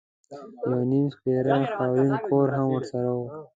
یو نیم سپېره خاورین کور هم ورسره و.